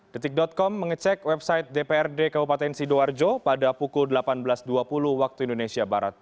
detik com mengecek website dprd kabupaten sidoarjo pada pukul delapan belas dua puluh waktu indonesia barat